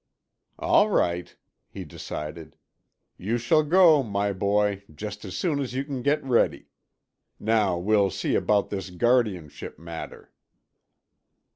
"All right," he decided. "You shall go, my boy, just as soon as you can get ready. Now we'll see about this guardianship matter."